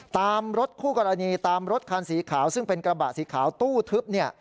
ตามรถคู่กรณีตามรถคันสีขาวซึ่งเป็นกระบะสีขาวตู้ทึบเนี่ย